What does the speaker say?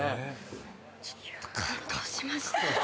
ちょっと感動しました。